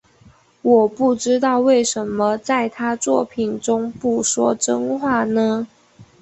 我不知道为什么在他作品中不说真话呢？